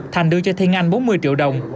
thành đưa cho thiên anh bốn mươi triệu đồng